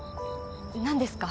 何ですか？